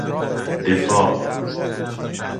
دفاع